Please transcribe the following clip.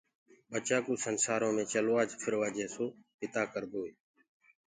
ٻچآ ڪو سنسآرو مي چلوآ ڦروآ جيسو پتآ ڪردوئي